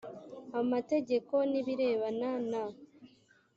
amategeko n ibirebana na